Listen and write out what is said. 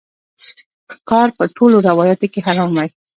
ښکار په ټولو روایاتو کې حرام وای